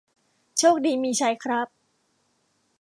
โชคดีมีชัยครับ